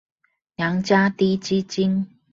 娘家滴雞精